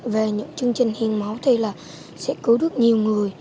về những chương trình hiến máu thì là sẽ cứu được nhiều người